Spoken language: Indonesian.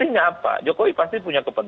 artinya apa jokowi pasti punya kepentingan